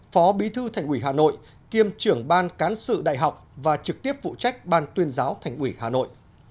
phó bí thư thành ủy hà nội kiêm trưởng ban cán sự đại học và trực tiếp phụ trách ban tuyên giáo thành ủy hà nội